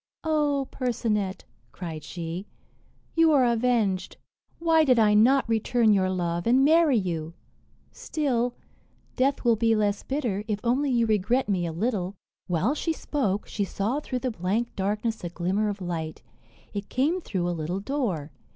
"O Percinet," cried she, "you are avenged. Why did I not return your love, and marry you! Still, death will be less bitter, if only you regret me a little." While she spoke, she saw through the blank darkness a glimmer of light; it came through a little door.